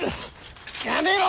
やめろ！